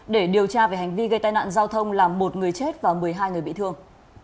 để điều tra về hành vi gây tai nạn giao thông làm một người chết và một mươi hai người bị thương